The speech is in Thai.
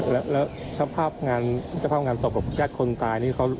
แล้วชภาพงานสกสกยัดคนตายนี่